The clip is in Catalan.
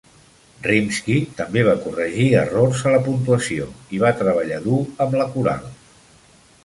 Rimsky també va corregir errors a la puntuació i va treballar dur amb la coral.